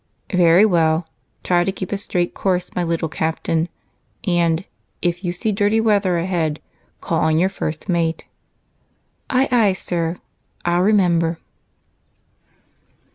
"Very well. Try to keep a straight course, my little captain, and if you see dirty weather ahead, call on your first mate." "Aye, aye, sir. I'll remember."